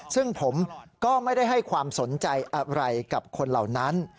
ซึ่งผมก็ไม่ได้ให้ความสนใจอะไรกับคนเหล่านั้น